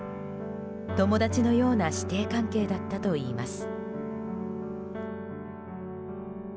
友達のような師弟関係だったといいます。